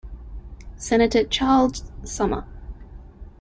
Senator Charles Sumner.